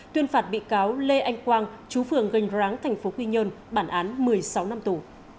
tuyên phạt bị cáo lê anh quang chú phường gành ráng tp quy nhơn bản án một mươi sáu năm tù